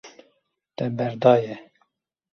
Te berdaye.